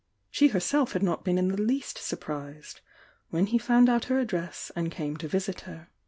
She herself had not been m the least surprised when he found out her address and came to visit her.